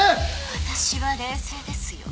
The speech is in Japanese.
私は冷静ですよ。